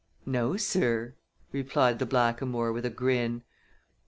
"No, sir," replied the blackamoor, with a grin.